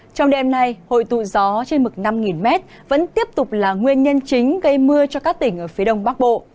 trong đêm nay hội tụ gió trên mực năm m vẫn tiếp tục là nguyên nhân chính gây mưa cho các tỉnh ở phía đông bắc bộ